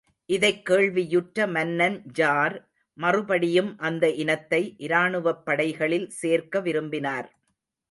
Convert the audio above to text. இதைக் கேள்வியுற்ற மன்னன் ஜார், மறுபடியும் அந்த இனத்தை இராணுவப் படைகளில் சேர்க்க விரும்பினார்.